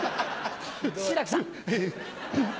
志らくさん。